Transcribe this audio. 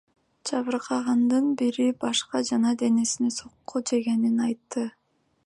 Жабыркагандардын бири башка жана денесине сокку жегенин айтты.